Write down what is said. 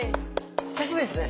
久しぶりですね。